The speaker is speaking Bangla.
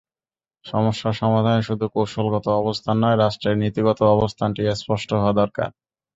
সমস্যার সমাধানে শুধু কৌশলগত অবস্থান নয়, রাষ্ট্রের নীতিগত অবস্থানটিও স্পষ্ট হওয়া দরকার।